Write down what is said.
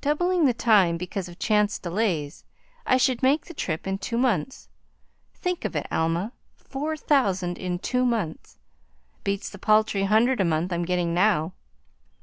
"Doubling the time because of chance delays, I should make the trip in two months. Think of it, Alma! Four thousand in two months! Beats the paltry hundred a month I'm getting now.